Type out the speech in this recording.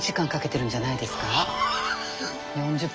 ４０分。